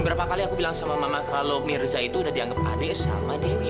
berapa kali aku bilang sama mama kalau mirza itu udah dianggap adik sama dewi